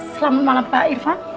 selamat malam pak irfan